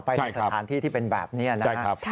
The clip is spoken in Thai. ในสถานที่ที่เป็นแบบนี้นะครับ